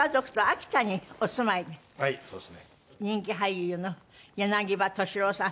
人気俳優の柳葉敏郎さん。